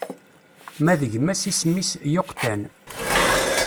Ma d gma-s isem-is Yuqtan.